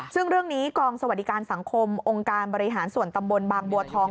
ซึ่งเรื่องนี้กองสวัสดิการสังคมองค์การบริหารส่วนตำบลบางบัวทอง